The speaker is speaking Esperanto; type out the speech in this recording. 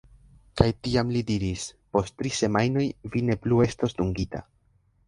Kaj tiam li diris "Post tri semajnoj, vi ne plu estos dungita."